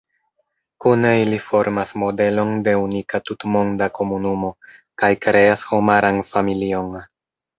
Kune ili formas modelon de unika tutmonda komunumo, kaj kreas homaran familion.